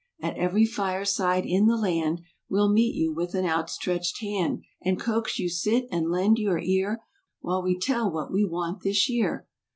At every fireside in the land We'll meet you with ah out stretched hand And coax you sit and lend your ear— While we tell what we want this year.